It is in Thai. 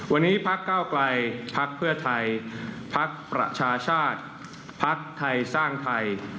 วันนี้พักเก้าไกลพักเพื่อไทยพักประชาชาติภักดิ์ไทยสร้างไทย